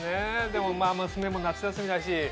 でも娘も夏休みだし。